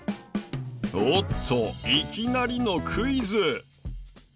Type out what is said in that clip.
おっといきなりのクイズ。